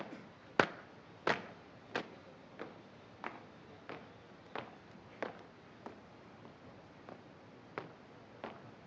laporan komandan upacara kepada inspektur upacara